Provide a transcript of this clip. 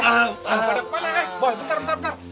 eh mana eh eh bu bentar bentar bentar